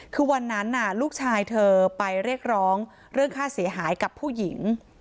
คือวันนั้นลูกชายเธอไปเรียกร้องเรื่องค่าเสียหายกับผู้หญิง